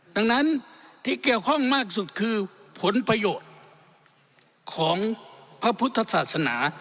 ดังนั้นที่เกี่ยวข้องมากสุดคือผลประโยชน์ของพระพุทธศาสนา